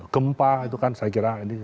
gempa itu kan saya kira ini